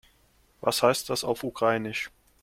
Was heißt das auf Ukrainisch?